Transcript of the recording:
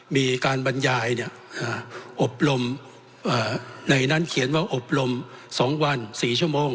มีการบรรยายอบรมในนั้นเขียนว่าอบรม๒วัน๔ชั่วโมง